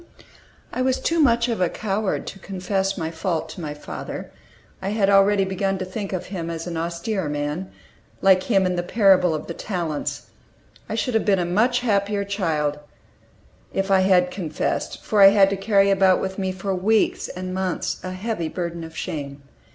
I was too much of a coward to confess my fault to my father; I had already begun to think of him as "an austere man," like him in the parable of the talents. I should have been a much happier child if I bad confessed, for I had to carry about with me for weeks and months a heavy burden of shame.